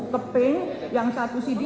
ke p yang satu cd